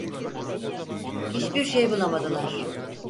Hiçbir şey bulamadılar.